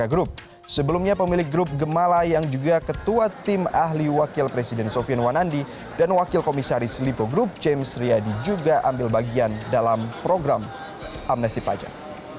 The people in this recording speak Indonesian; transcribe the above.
sebelumnya pemilik grup gemala yang juga ketua tim ahli wakil presiden sofian wanandi dan wakil komisaris lipo grup james riyadi juga ambil bagian dalam program amnesti pajak